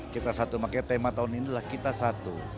kita satu makanya tema tahun ini adalah kita satu